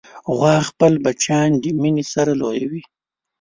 غوا خپل بچیان د مینې سره لویوي.